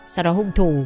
sau đó hung thủ